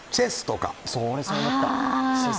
俺もそう思った。